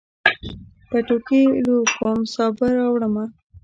پټوکي لو کوم، سابه راوړمه